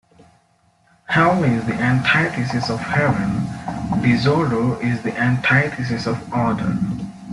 Hell is the antithesis of Heaven; disorder is the antithesis of order.